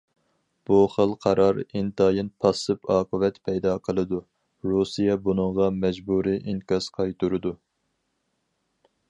بۇ خىل قارار ئىنتايىن پاسسىپ ئاقىۋەت پەيدا قىلىدۇ، رۇسىيە بۇنىڭغا مەجبۇرىي ئىنكاس قايتۇرىدۇ.